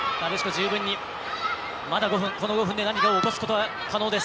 十分にまだ５分、この５分で何かを起こすことは可能です。